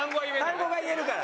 単語が言えるから。